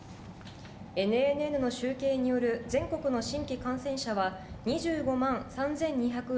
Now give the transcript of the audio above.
ＮＮＮの集計による全国の新規感染者は２５万３２６５人。